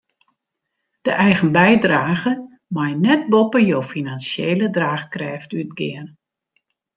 De eigen bydrage mei net boppe jo finansjele draachkrêft útgean.